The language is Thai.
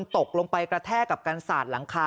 ตกลงไปกระแทกกับกันสาดหลังคา